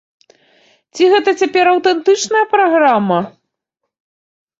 Ці гэта цяпер аўтэнтычная праграма?